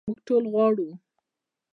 موږ ټول غواړو.